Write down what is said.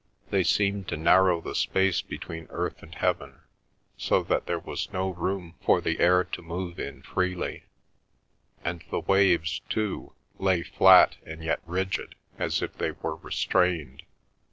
They seemed to narrow the space between earth and heaven, so that there was no room for the air to move in freely; and the waves, too, lay flat, and yet rigid, as if they were restrained.